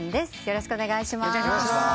よろしくお願いします。